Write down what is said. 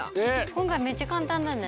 今回めっちゃ簡単だね。